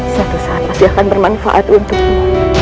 suatu saat masih akan bermanfaat untukmu